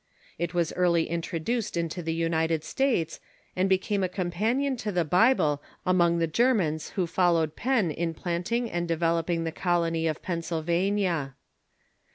It was early introduced into the United States, and became a companion to the Bible among the Germans who followed Penn in planting and developing the colony of Pennsylvania.